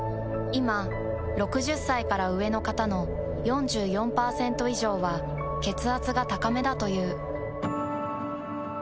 いま６０歳から上の方の４４％以上は血圧が高めだという。